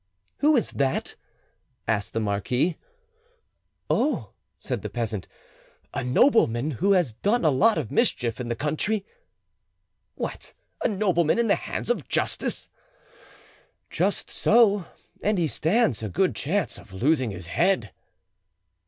"Who is that?—" asked the marquis. "Oh," said the peasant, "a nobleman who has done a lot of mischief in the country." "What! a nobleman in the hands of justice?" "Just so; and he stands a good chance of losing his head."